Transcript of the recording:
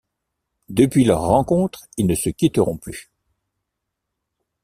Depuis leur rencontre, ils ne se quitteront plus.